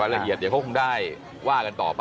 ละเอียดเดี๋ยวเขาคงได้ว่ากันต่อไป